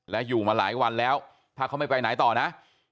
และอยู่มาหลายวันแล้วถ้าเขาไม่ไปไหนต่อนะ